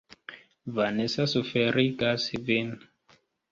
Vanesa suferigas vin.